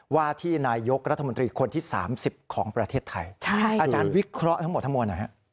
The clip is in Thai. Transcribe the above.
ว่าที่นายกรัฐมนตรีคนที่๓๐ของประเทศไทยอาจารย์วิเคราะห์ทั้งหมดทั้งมวลหน่อยฮะ